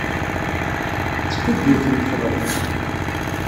Tettekka deg yiwet n tefḍiḥt.